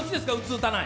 打たない？